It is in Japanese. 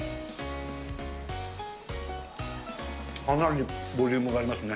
かなりボリュームがありますね。